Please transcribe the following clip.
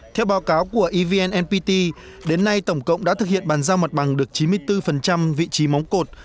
theo báo cáo của evn npt đến nay tổng cộng đã thực hiện bàn giao mặt bằng được chín mươi bốn vị trí móng cột